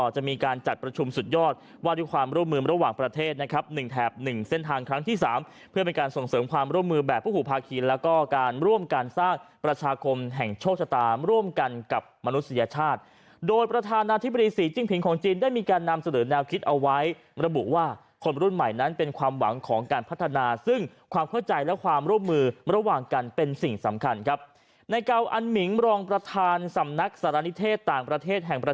จีนฯ่นทางครั้งที่สามเพื่อมีการส่งเสริมความร่วมมือแบบผู้หูพาร์คคีและก็การร่วมกันสร้างประชาคมแห่งโชคชะตามร่วมกันกับมนุษยชาติโดยประธานาธิบดีศรีจริงพิงครองจีนได้มีการนำเสนอแนวคิดเอาไว้ระผุว่าคนรุ่นใหม่นั้นเป็นความหวังของการพัฒนาซึ่งความเข้าใจและความร่วมมื